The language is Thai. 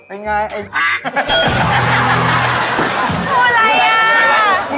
ไอ้ไงไอ้